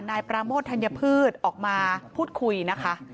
นายปราโมทธัญพืชออกมาพูดคุยนะคะ